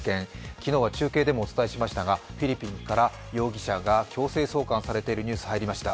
昨日は中継でもお伝えしましたが、フィリピンから容疑者が強制送還されているニュース入りました。